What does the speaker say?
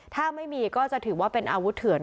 ถ้าไม่มีก็จะถือว่าเป็นอาวุธเถื่อน